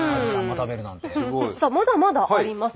さあまだまだあります。